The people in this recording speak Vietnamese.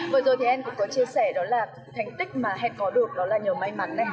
vừa rồi thì hèn cũng có chia sẻ đó là thành tích mà hèn có được đó là nhiều may mắn